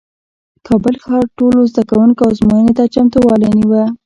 کابل ښار ټولو زدکوونکو ازموینې ته چمتووالی نیوه